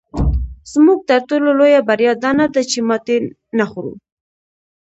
زموږ تر ټولو لویه بریا دا نه ده چې ماتې نه خورو.